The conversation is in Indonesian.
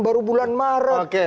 baru bulan maret